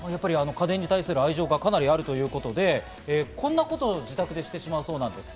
家電に対する愛情がかなりあるということでこんなことを自宅でしてしまうそうです。